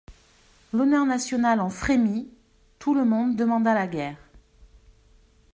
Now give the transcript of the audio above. L'honneur national en frémit, tout le monde demanda la guerre.